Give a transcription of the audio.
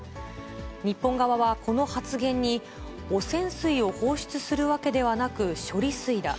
日本側はこの発言に、汚染水を放出するわけではなく、処理水だ。